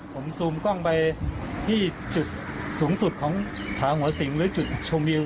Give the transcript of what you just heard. ผมซูมกล้องไปที่จุดสูงสุดของผาหัวสิงหรือจุดชมวิว